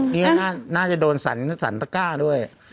นี่น่าจะโดนสันตะก้าด้วย